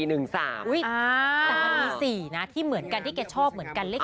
แต่มันมี๔นะที่เหมือนกันที่แกชอบเหมือนกันเลข๗